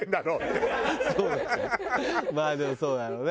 まあでもそうだろうな。